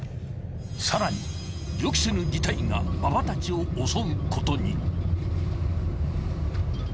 ［さらに予期せぬ事態が馬場たちを襲うことに］